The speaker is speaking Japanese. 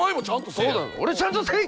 そう俺ちゃんとせい！